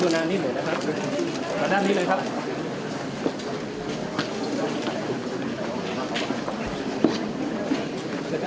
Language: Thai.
มาด้านนี้เลยครับ